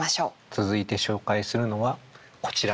続いて紹介するのはこちら。